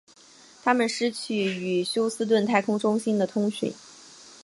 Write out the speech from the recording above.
他们失去与休斯顿太空中心的通讯。